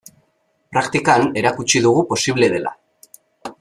Praktikan erakutsi dugu posible dela.